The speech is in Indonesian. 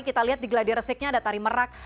kita lihat di gladir resiknya ada tari merak